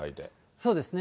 そうですね。